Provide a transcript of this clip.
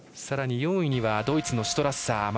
さらに４位にはドイツのシュトラッサー。